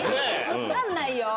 わかんないよ